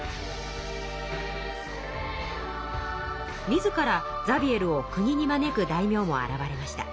自らザビエルを国に招く大名も現れました。